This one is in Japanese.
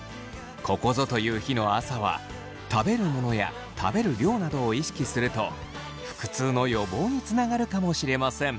ここぞという日の朝は食べるものや食べる量などを意識すると腹痛の予防につながるかもしれません。